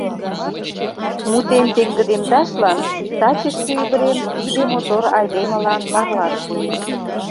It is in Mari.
Мутем пеҥгыдемдашлан таче шке ӱдырем тиде мотор Айдемылан марлан пуэм.